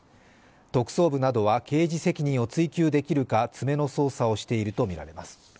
特捜部などは刑事責任を追及できるか詰めの捜査をしているとみられます。